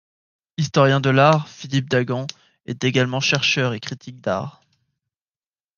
Historien de l'art, Philippe Dagen est également chercheur et critique d'art.